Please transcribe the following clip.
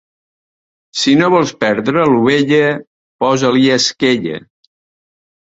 Si no vols perdre l'ovella, posa-li esquella.